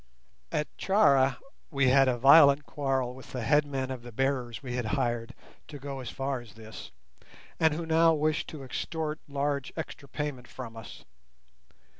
At Charra we had a violent quarrel with the headman of the bearers we had hired to go as far as this, and who now wished to extort large extra payment from us.